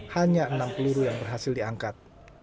hanya enam peluru yang berhasil diangkat